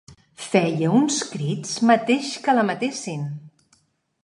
Feia uns crits mateix que la matessin.